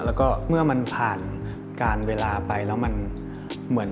แล้วก็เมื่อมันผ่านการเวลาไปแล้วมันเหมือน